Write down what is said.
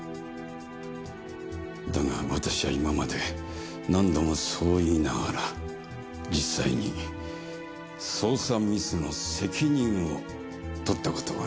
だが私は今まで何度もそう言いながら実際に捜査ミスの責任を取った事はない。